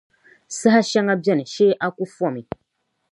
Saha shɛŋa bɛni shɛɛ aku fɔmi.